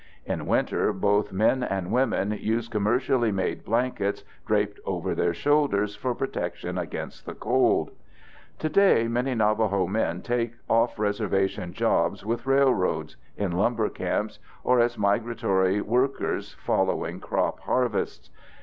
In winter, both men and women use commercially made blankets draped over their shoulders for protection against the cold. Today many Navajo men take off reservation jobs with railroads, in lumber camps, or as migratory workers following crop harvests.